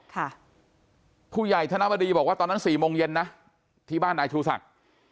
ค่ะผู้ใหญ่ธนบดีบอกว่าตอนนั้นสี่โมงเย็นนะที่บ้านนายชูศักดิ์